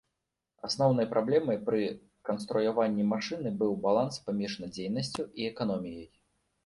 Асноўнай праблемай пры канструяванні машыны быў баланс паміж надзейнасцю і эканоміяй.